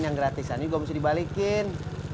yang gratisan juga mesti dibalikin